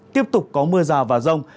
tiếp tục có mưa rào và rông